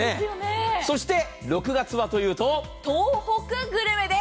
そして６月はというと東北グルメです。